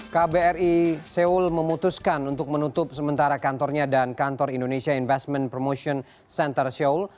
kbri seoul memutuskan untuk menutup sementara kantornya dan kantor indonesia investment promotion center seoul